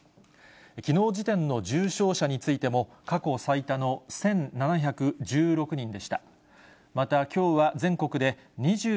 きのう時点の重症者についても、過去最多の１７１６人でした。